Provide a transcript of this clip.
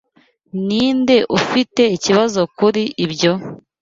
Ninde ufite ikibazo kuri ibyo?